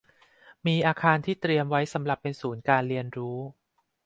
มีอาคารที่เตรียมไว้สำหรับเป็นศูนย์การเรียนรู้